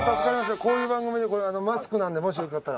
こういう番組でこれマスクなんでもしよかったら。